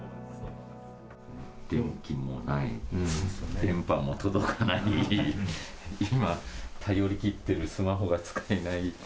電気もない、電波も届かない、今、頼りきってるスマホが使えない。